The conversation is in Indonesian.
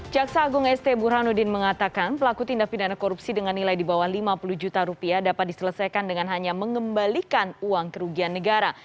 jaksa agung st burhanuddin mengatakan pelaku tindak pidana korupsi dengan nilai di bawah lima puluh juta rupiah dapat diselesaikan dengan hanya mengembalikan uang kerugian negara